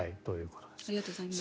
ありがとうございます。